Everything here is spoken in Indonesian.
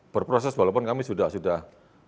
berproses walaupun kami sudah